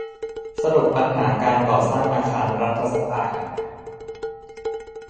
สรุปปัญหาการก่อสร้างอาคารรัฐสภาแห่งใหม่